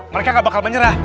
mereka gak bakal menyerah